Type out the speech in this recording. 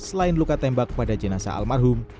selain luka tembak pada jenasa almarhum